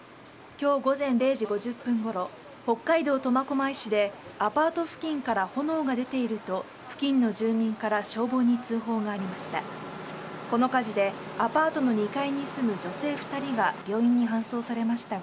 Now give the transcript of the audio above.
きょう午前０時５０分ごろ、北海道苫小牧市で、アパート付近から炎が出ていると付近の住民から消防に通報がありました。